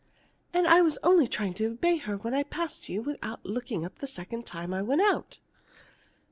And I was only trying to obey her when I passed you without looking up the second time I went out."